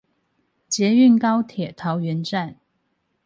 捷運高鐵桃園站